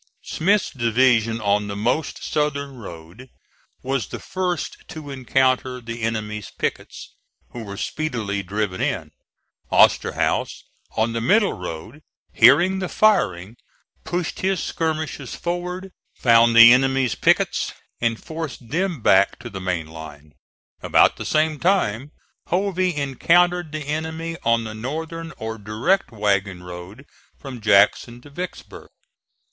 Smith's division on the most southern road was the first to encounter the enemy's pickets, who were speedily driven in. Osterhaus, on the middle road, hearing the firing, pushed his skirmishers forward, found the enemy's pickets and forced them back to the main line. About the same time Hovey encountered the enemy on the northern or direct wagon road from Jackson to Vicksburg.